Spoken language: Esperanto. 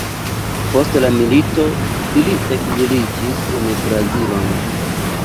Post la milito, ili ekziliĝis en Brazilon.